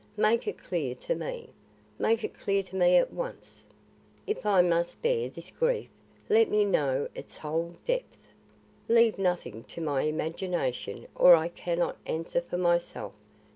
Make it clear to me. Make it clear to me at once. If I must bear this grief, let me know its whole depth. Leave nothing to my imagination or I cannot answer for myself.